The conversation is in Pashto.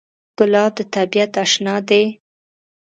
ګلاب د طبیعت اشنا دی.